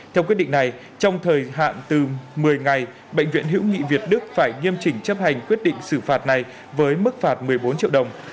theo quyết định này trong thời hạn từ một mươi ngày bệnh viện hữu nghị việt đức phải nghiêm chỉnh chấp hành quyết định xử phạt này với mức phạt một mươi bốn triệu đồng